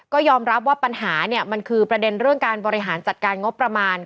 ก็ยอมรับว่าปัญหาเนี่ยมันคือประเด็นเรื่องการบริหารจัดการงบประมาณ